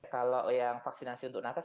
kalau yang vaksinasi untuk nakes